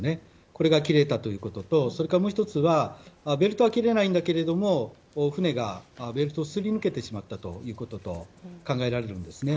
これが切れたということとそれからもう１つはベルトは切れないんだけども船がベルトをすり抜けてしまったということが考えられるんですね。